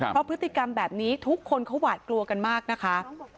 เพราะพฤติกรรมแบบนี้ทุกคนเขาหวาดกลัวกันมากนะคะ